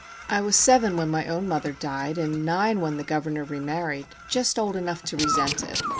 I was seven when my own mother died, and nine when the governor remarried,—just old enough to resent it.